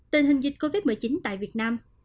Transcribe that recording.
tình hình dịch covid một mươi chín tại việt nam